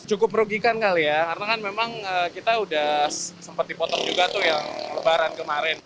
cukup merugikan kali ya karena kan memang kita udah sempat dipotong juga tuh ya lebaran kemarin